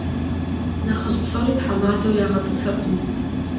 Нэхъыжь псори тхьэмадэу ягъэтӀысыркъым.